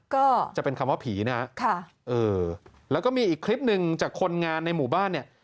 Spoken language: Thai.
ก็จะเป็นคำว่าผีนะฮะค่ะเออแล้วก็มีอีกคลิปหนึ่งจากคนงานในหมู่บ้านเนี่ย